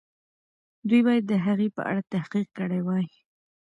دوی باید د هغې په اړه تحقیق کړی وای.